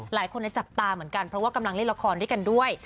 หลายคนจับตาเหมือนกันเพราะว่ากำลังเล่นละครด้วยกันด้วย